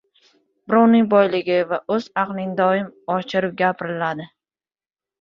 • Birovning boyligi va o‘z aqling doim oshirib gapiriladi.